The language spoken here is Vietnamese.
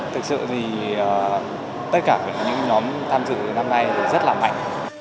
thực sự thì tất cả những nhóm tham dự năm nay thì rất là mạnh